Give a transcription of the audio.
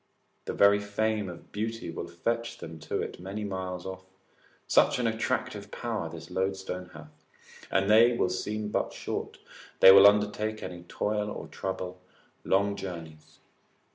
The very fame of beauty will fetch them to it many miles off (such an attractive power this loadstone hath), and they will seem but short, they will undertake any toil or trouble, long journeys.